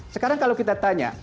sekarang kalau kita tanya